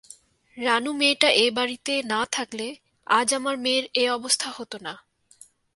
রানু মেয়েটা এ-বাড়িতে না থাকলে, আজ আমার মেয়ের এ-অবস্থা হত না।